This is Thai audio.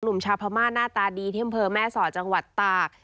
หนุ่มชาพม่าหน้าตาดีที่เมืองแม่ศรจังหวัดตาก